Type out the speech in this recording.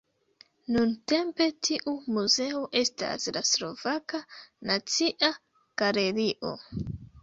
Nuntempe tiu muzeo estas la Slovaka Nacia Galerio.